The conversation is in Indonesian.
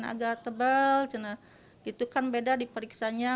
agak tebal itu kan beda di periksanya